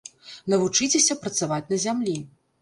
Навучыцеся працаваць на зямлі.